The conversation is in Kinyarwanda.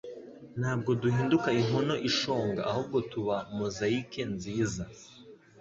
Ntabwo duhinduka inkono ishonga ahubwo tuba mozayike nziza.